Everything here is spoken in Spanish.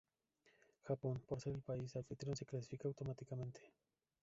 Japón, por ser el país anfitrión se clasifica automáticamente.